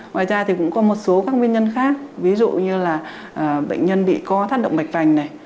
ngoài ra thì cũng có một số các nguyên nhân khác ví dụ như là bệnh nhân bị co thắt động mạch vành này